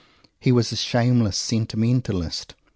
He was a shameless sentimentalist.